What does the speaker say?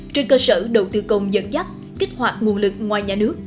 trên cơ sở đầu tư công dẫn dắt kích hoạt nguồn lực ngoài nhà nước